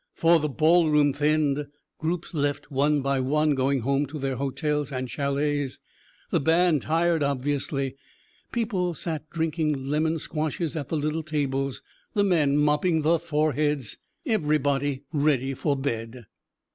For the ball room thinned; groups left one by one, going home to their hotels and chalets; the band tired obviously; people sat drinking lemon squashes at the little tables, the men mopping their foreheads, everybody ready for bed.